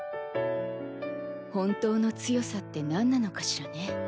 本当の強さってなんなのかしらね。